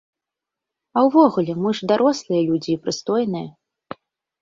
А ўвогуле, мы ж дарослыя людзі і прыстойныя.